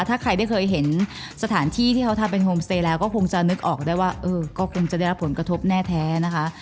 ถ้าใครได้เคยเห็นสถานที่ที่เขาทำเป็นโฮมสเตย์แล้วก็คงจะนึกออกได้ว่าเออก็คงจะได้รับผลกระทบแน่แท้นะคะ